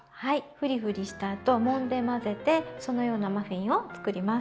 ふりふりしたあともんで混ぜてそのようなマフィンを作ります。